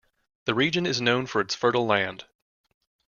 The region is known for its fertile land.